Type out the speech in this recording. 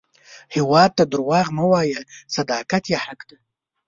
هیواد ته دروغ مه وایه، صداقت یې حق دی